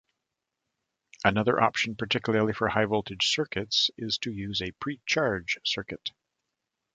Another option, particularly for high voltage circuits, is to use a pre-charge circuit.